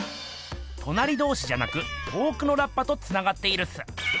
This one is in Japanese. となりどうしじゃなく遠くのラッパとつながっているっす。